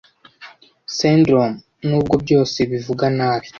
Syndrome, nubwo "byose" bivuga nabi